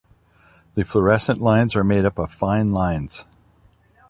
The fluorescent lines are made up of fine lines.